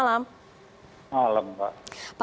selamat malam pak